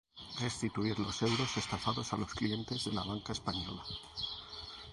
restituir los euros estafados a los clientes de la banca española